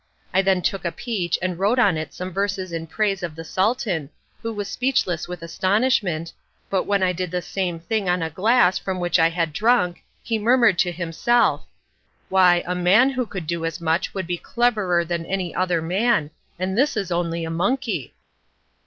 I then took a peach and wrote on it some verses in praise of the Sultan, who was speechless with astonishment; but when I did the same thing on a glass from which I had drunk he murmured to himself, "Why, a man who could do as much would be cleverer than any other man, and this is only a monkey!"